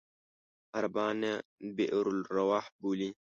عربان یې بئر الأرواح بولي.